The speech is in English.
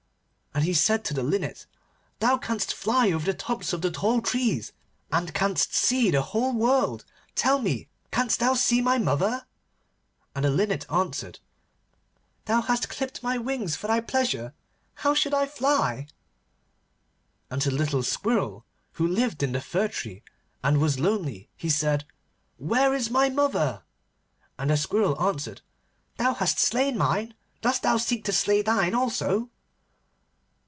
He said to the Linnet, 'Thou canst fly over the tops of the tall trees, and canst see the whole world. Tell me, canst thou see my mother?' And the Linnet answered, 'Thou hast clipt my wings for thy pleasure. How should I fly?' And to the little Squirrel who lived in the fir tree, and was lonely, he said, 'Where is my mother?' And the Squirrel answered, 'Thou hast slain mine. Dost thou seek to slay thine also?